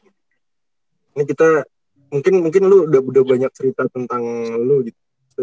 ini kita mungkin lo udah banyak cerita tentang lo gitu